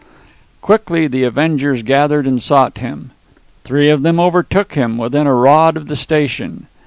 Quickly the avengers gathered and sought him. Three of them overtook him within a rod of the station.